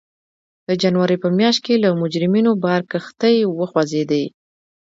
د جنورۍ په میاشت کې له مجرمینو بار کښتۍ وخوځېدې.